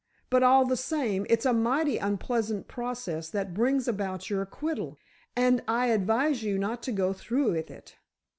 But, all the same, it's a mighty unpleasant process that brings about your acquittal, and I advise you not to go through with it."